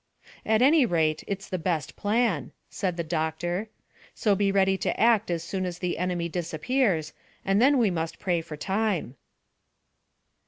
"At any rate it's the best plan," said the doctor. "So be ready to act as soon as the enemy disappears, and then we must pray for time."